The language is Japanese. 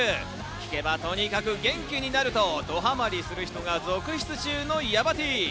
聴けば、とにかく元気になるとドハマリする人が続出中のヤバＴ。